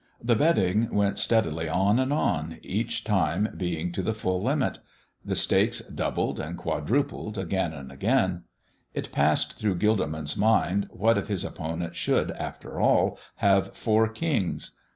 The betting went steadily on and on, each time being to the full limit. The stakes doubled and quadrupled again and again. It passed through Gilderman's mind, what if his opponent should, after all, have four kings?